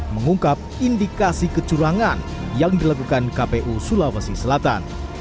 mengungkap indikasi kecurangan yang dilakukan kpu sulawesi selatan